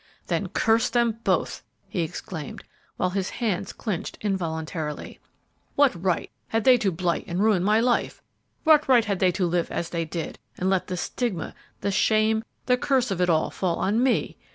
"Then curse them both!" he exclaimed, while his hands clinched involuntarily. "What right had they to blight and ruin my life? What right had they to live as they did, and let the stigma, the shame, the curse of it all fall on me?